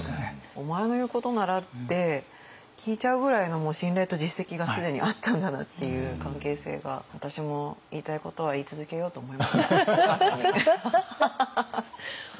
「お前の言うことなら」って聞いちゃうぐらいのもう信頼と実績が既にあったんだなっていう関係性が私も言いたいことは言い続けようと思いましたお義母さんに。